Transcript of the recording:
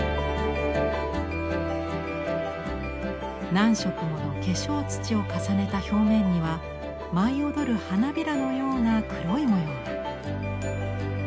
何色もの化粧土を重ねた表面には舞い踊る花びらのような黒い模様が。